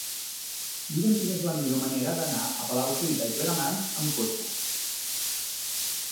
Mira'm quina és la millor manera d'anar a Palau-solità i Plegamans amb cotxe.